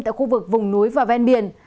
tại khu vực vùng núi và ven biển